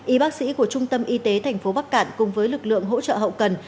y bác sĩ của trung tâm y tế thành phố bắc cản cùng với lực lượng hỗ trợ hậu cần